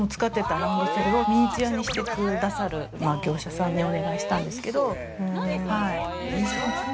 ランドセルをミニチュアにしてくださる業者さんにお願いしたんですけど。